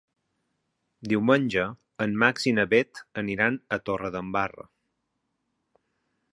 Diumenge en Max i na Bet aniran a Torredembarra.